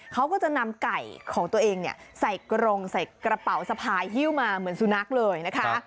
เขาก็จะนำไก่ของตัวเองใส่กรงใส่กระเป๋าสะพายฮิ้วมาเหมือนสุนัขเลยนะคะ